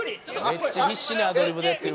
「めっちゃ必死にアドリブでやってる」